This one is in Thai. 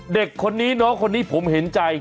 เด็กคนนี้น้องคนนี้ผมเห็นใจ